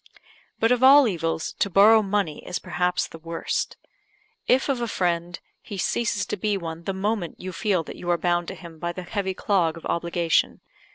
But of all evils, to borrow money is perhaps the worst. If of a friend, he ceases to be one the moment you feel that you are bound to him by the heavy clog of obligation.